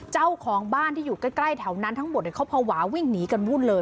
เจ้าของบ้านที่อยู่ใกล้แถวนั้นทั้งหมดเขาภาวะวิ่งหนีกันวุ่นเลย